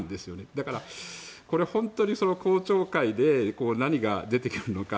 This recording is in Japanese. だから本当に公聴会で何が出てくるのか。